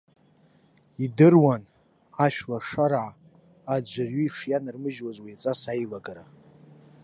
Идыруан ашәлашараа аӡәырҩы ишианармыжьуаз уи аҵас аилагара.